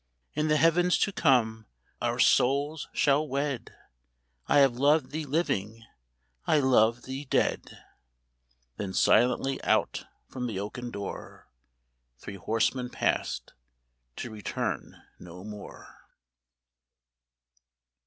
" In the heavens to come our souls shall wed ; I have loved thee living, I love thee dead." Then silently out from the oaken door Three horsemen passed, to return no more.